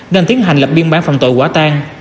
nên tiến hành lập biên bản phòng tội quá tan